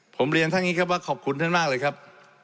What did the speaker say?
ผมเรียนท่านนี้ครับว่าขอบคุณท่านมากเลยครับ